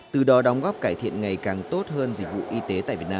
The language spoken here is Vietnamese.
từ đó đóng góp cải thiện ngày càng tốt hơn dịch vụ y tế tại việt nam